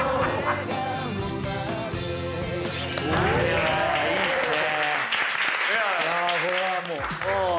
いやいいっすね。